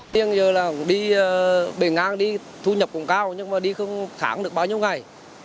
tiên giờ là đi bể ngang đi thu nhập cũng cao nhưng mà đi không kháng được bao nhiêu ngày